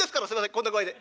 こんな具合で。